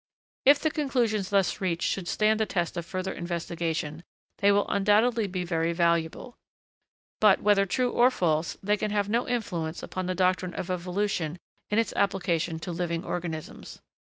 If the conclusions thus reached should stand the test of further investigation, they will undoubtedly be very valuable. But, whether true or false, they can have no influence upon the doctrine of evolution in its application to living organisms.